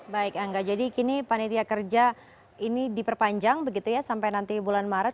baik angga jadi kini panitia kerja ini diperpanjang begitu ya sampai nanti bulan maret